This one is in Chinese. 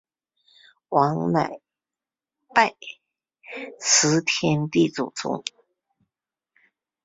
王乃拜辞天地祖宗。